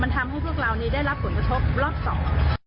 ทำให้พวกเรานี้ได้รับผลกระทบรอบสอง